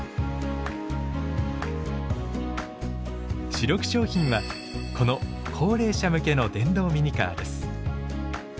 主力商品はこの高齢者向けの電動ミニカーです。